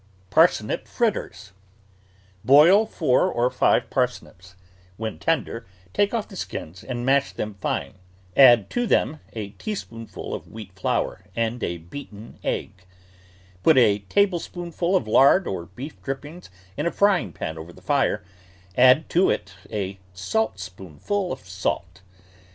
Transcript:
PARSNIP FRITTERS Boil four or five parsnips; when tender, take off the skins and mash them fine; add to them a tea spoonful of wheat flour and a beaten egg; put a tablespoonful of lard or beef drippings in a frying pan over the fire, add to it a saltspoonful of salt.